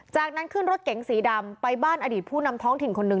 จากนั้นขึ้นรถเก๋งสีดำไปบ้านอดีตผู้นำท้องถิ่นคนหนึ่ง